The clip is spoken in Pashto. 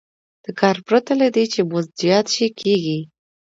دا کار پرته له دې چې مزد زیات شي کېږي